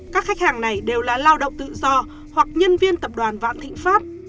các khách hàng này đều là lao động tự do hoặc nhân viên tập đoàn vạn thịnh pháp